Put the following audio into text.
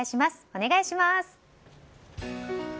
お願いします。